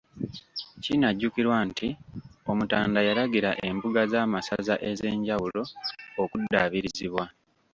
Kinajjukirwa nti Omutanda yalagira embuga z'amasaza ez'enjawulo okuddabirizibwa.